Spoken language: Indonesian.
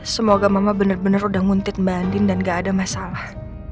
semoga mama bener bener udah nguntit mbak anin dan gak ada masalah